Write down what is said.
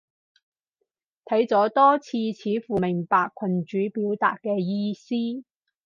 睇咗多次，似乎明白群主表達嘅意思